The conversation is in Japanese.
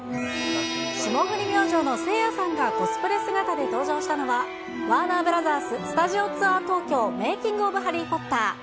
霜降り明星のせいやさんがコスプレ姿で登場したのは、ワーナーブラザーススタジオツアー東京メイキング・オブ・ハリー・ポッター。